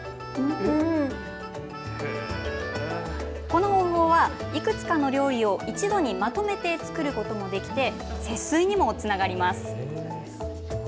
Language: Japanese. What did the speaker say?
この方法はいくつかの料理を一度にまとめて作ることもできて節水にもつながります。